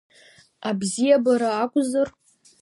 Абзиабара акәзар…